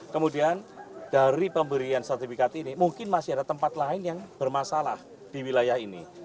kemudian dari pemberian sertifikat ini mungkin masih ada tempat lain yang bermasalah di wilayah ini